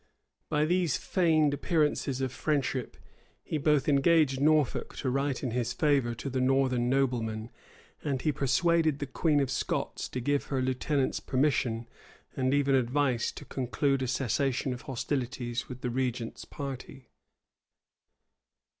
By these feigned appearances of friendship, he both engaged Norfolk to write in his favor to the northern noblemen,[*] and he persuaded the queen of Scots to give her lieutenants permission, and even advice, to conclude a cessation of hostilities with the regent's party.